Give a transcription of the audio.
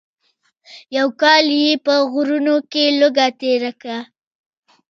یو کال یې په غرونو کې لوږه تېره کړه.